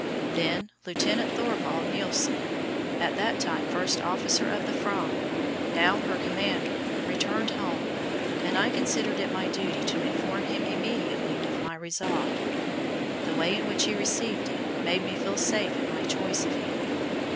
Then Lieutenant Thorvald Nilsen at that time first officer of the Fram, now her commander returned home, and I considered it my duty to inform him immediately of my resolve. The way in which he received it made me feel safe in my choice of him.